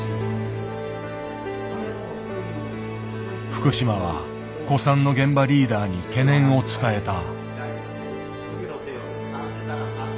福島は古参の現場リーダーに懸念を伝えた。